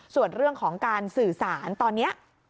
ส่วนเรื่องของการสื่อสารตอนนี้